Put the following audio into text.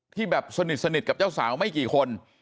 ที่แบบสนิทกับเจ้าสาวไม่กี่คน